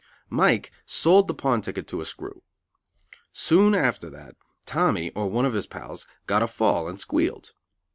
Mike sold the pawn ticket to a screw. Soon after that Tommy, or one of his pals, got a fall and "squealed".